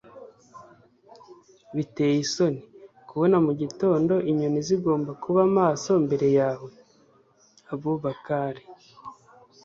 biteye isoni kubona mu gitondo inyoni zigomba kuba maso mbere yawe. - abu bakari